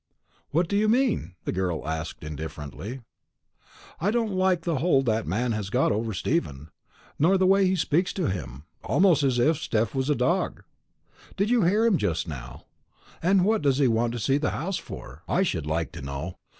"What do you mean?" the girl asked indifferently. "I don't like the hold that man has got over Stephen, nor the way he speaks to him almost as if Steph was a dog. Did you hear him just now? And what does he want to see the house for, I should like to know?